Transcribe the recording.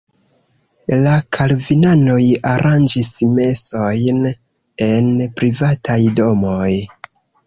La kalvinanoj aranĝis mesojn en privataj domoj.